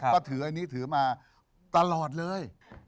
ก็ถืออันนี้ถือมาตลอดเลย